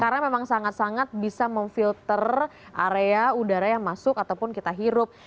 karena memang sangat sangat bisa memfilter area udara yang masuk ataupun kita hirup